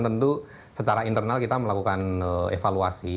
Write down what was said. tentu secara internal kita melakukan evaluasi